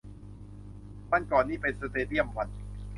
วันก่อนนี่ไปสเตเดียมวัน